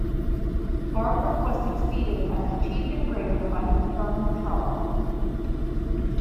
Barber was succeeded as Chief Engraver by his son Charles.